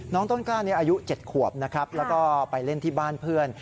ต้นกล้านี้อายุ๗ขวบนะครับแล้วก็ไปเล่นที่บ้านเพื่อน